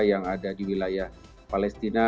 yang ada di wilayah palestina